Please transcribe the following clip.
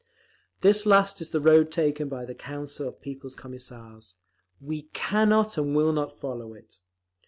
This last is the road taken by the Council of People's Commissars. We cannot and will not follow it.